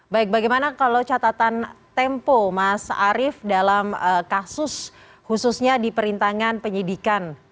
baik bagaimana kalau catatan tempo mas arief dalam kasus khususnya di perintangan penyidikan